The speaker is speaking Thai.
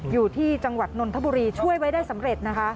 อยู่ที่จังหวัดนนทบุรีช่วยไว้ได้สำเร็จนะคะ